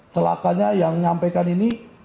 selakanya yang menyampaikan ini